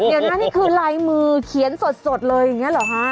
เดี๋ยวนะนี่คือลายมือเขียนสดเลยอย่างนี้เหรอฮะ